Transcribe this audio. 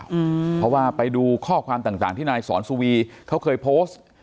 เพราะว่าไปดูข้อความต่างต่างที่นายสอนสุวีเขาเคยโพสต์